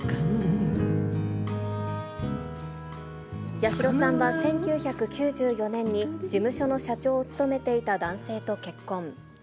八代さんは１９９４年に事務所の社長を務めていた男性と結婚。